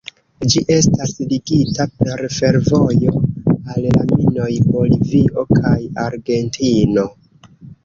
Ĝi estas ligita per fervojo al la minoj, Bolivio kaj Argentino.